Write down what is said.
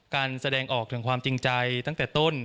แสดงออกถึงความจริงใจตั้งแต่ต้น